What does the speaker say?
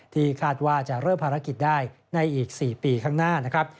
ที่คาดว่าจะเริ่มภารกิจได้ในอีก๔ปีข้างหน้านะครับ